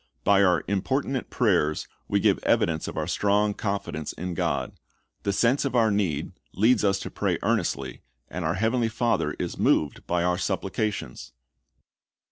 By our importunate prayers we give evidence of our strong confidence in God. The sense of our need leads us to pray earnestly, and our Heavenly Father is moved by our supplications.